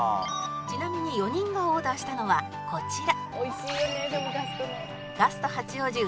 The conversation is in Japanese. ちなみに４人がオーダーしたのはこちら